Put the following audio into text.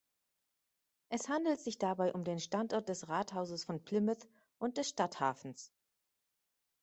Es handelt sich dabei um den Standort des Rathauses von Plymouth und des Stadthafens.